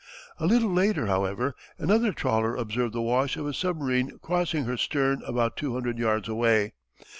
A little later, however, another trawler observed the wash of a submarine crossing her stern about two hundred yards away.